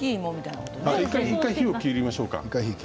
１回、火を切りましょうか。